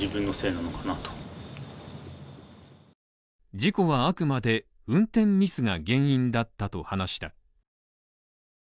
事故はあくまで運転ミスが原因だったと話した。